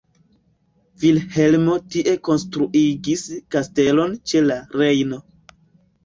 Vilhelmo tie konstruigis kastelon ĉe la Rejno.